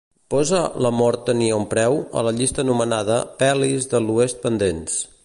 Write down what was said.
Posa "La mort tenia un preu" a la llista anomenada "pel·lis de l'oest pendents".